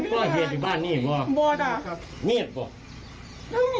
นี่เปล่าถ้าไม่เห็นถ้าเห็นตัวยังดูกับว่าได้เห็น